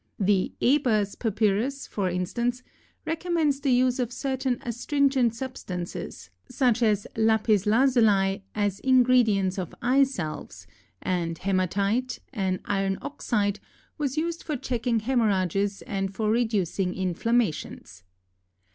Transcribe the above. The Ebers Papyrus, for instance, recommends the use of certain astringent substances, such as lapis lazuli, as ingredients of eye salves, and hematite, an iron oxide, was used for checking hemorrhages and for reducing inflammations.